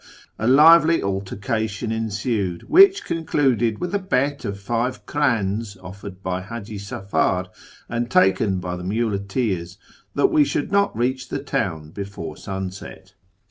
A lively altercation ensued, which concluded with a bet of five krdns offered by Haji Safar, and taken by the muleteers, that we should not reach the town before sunset.